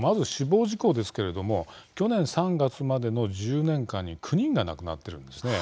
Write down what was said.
まず死亡事故ですが去年３月までの１０年間に９人が亡くなっているんです。